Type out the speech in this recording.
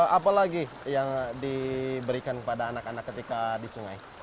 apa lagi yang diberikan kepada anak anak ketika dihubungkan dengan petani